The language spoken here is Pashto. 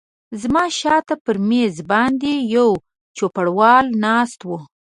زما شاته پر مېز باندې یو چوپړوال ناست و.